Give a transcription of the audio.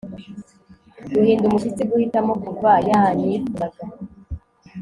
Guhinda umushyitsi guhitamo kuva yanyifuzaga